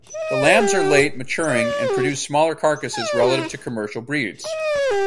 The lambs are late maturing and produce smaller carcasses relative to commercial breeds.